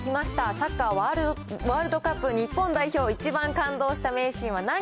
サッカーワールドカップ日本代表、一番感動した名シーンは何？